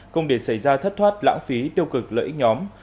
không để xảy ra thất thoát lãng phí tiêu cực lợi ích nhóm